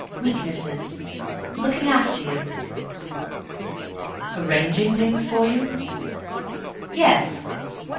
Weaknesses. Looking after you." "Arranging things for you?" "Yes.